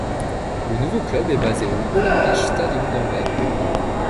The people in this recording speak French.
Le nouveau club est basé au Olympisch Stadion d'Anvers.